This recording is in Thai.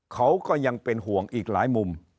เขาก็ยังเป็นห่วงอีกหลายมุม